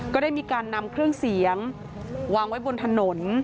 ก็ได้มีการนำเครื่องเสียงวางไว้บนถนน